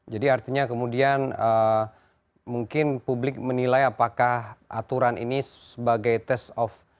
jadi artinya kemudian mungkin publik menilai apakah aturan ini sebagai test of